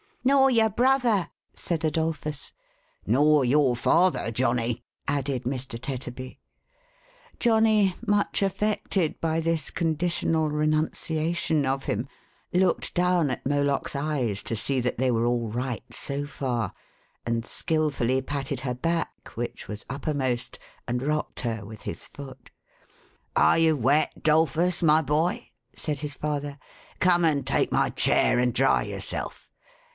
" Nor your brother," said Adolphus. " Nor your father, Johnny," added Mr. Tetterby. Johnny, much affected by this conditional renunciation of him, looked down at Moloch's eyes to see that they were all right, so far, and skilfully patted her back (which was upper most), and rocked her with his foot. "Are you wet, 'Dolphus, my boy?" said his father. "Come and take my chair, and dry yourself."